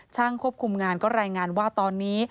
ควบคุมงานก็รายงานว่าตอนนี้